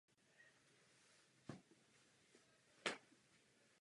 Evropskému parlamentu se podařilo prosadit řadu zlepšení.